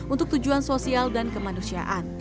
untuk tujuan sosial dan kemanusiaan